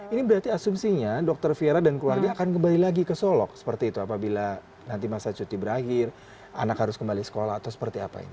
ini berarti asumsinya dokter viera dan keluarga akan kembali lagi ke solok seperti itu apabila nanti masa cuti berakhir anak harus kembali sekolah atau seperti apa ini